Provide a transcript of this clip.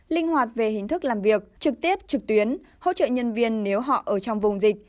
linh hoạt về hình thức làm việc trực tiếp trực tuyến hỗ trợ nhân viên nếu họ ở trong vùng dịch